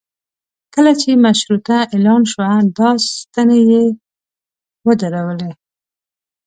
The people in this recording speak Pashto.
کله چې مشروطه اعلان شوه دا ستنې یې ودرولې.